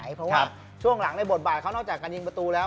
เพราะว่าช่วงหลังในบทบาทเขานอกจากการยิงประตูแล้ว